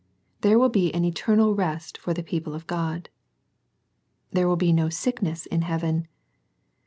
There will be an eter nal rest for the people of God. There will be no sickness in heaven.